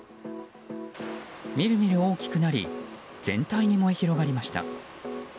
みるみる大きくなり全体に燃え広がりました。